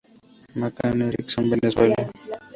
McCann Erickson Venezuela.